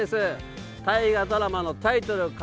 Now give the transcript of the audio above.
大河ドラマのタイトル